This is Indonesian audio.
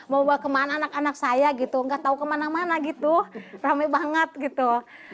mau bawa kemana anak anak saya gitu nggak tahu kemana mana gitu rame banget gitu